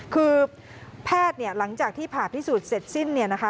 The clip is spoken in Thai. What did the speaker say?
คือแพทย์หลังจากที่ผ่าพิสูจน์เสร็จสิ้น